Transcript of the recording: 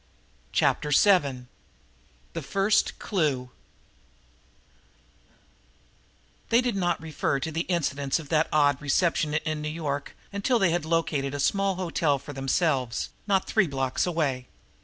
Chapter Seven The First Clue They did not refer to the incidents of that odd reception in New York until they had located a small hotel for themselves, not three blocks away.